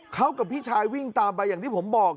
เขากับพี่ชายวิ่งตามไปอย่างที่ผมบอก